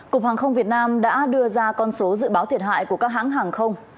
cục hàng không việt nam đã đưa ra con số dự báo thiệt hại của các hãng hàng không